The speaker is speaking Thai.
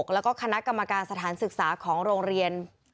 แล้วก็คณะกรรมการสถานศึกษาของโรงเรียน